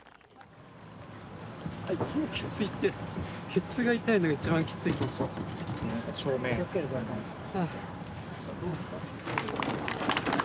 ケツが痛いのが一番きついかもしれない。